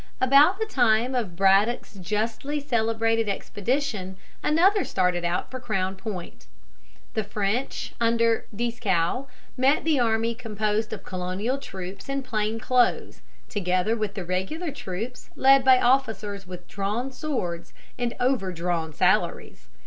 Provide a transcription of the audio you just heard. About the time of Braddock's justly celebrated expedition another started out for Crown Point. The French, under Dieskau (pronounced dees kow), met the army composed of Colonial troops in plain clothes, together with the regular troops led by officers with drawn swords and overdrawn salaries.